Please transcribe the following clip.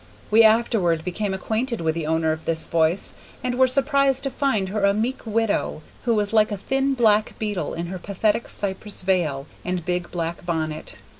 We afterward became acquainted with the owner of this voice, and were surprised to find her a meek widow, who was like a thin black beetle in her pathetic cypress veil and big black bonnet.